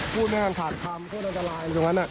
ผู้ไม่ได้ขาดคำผู้ดังตลาย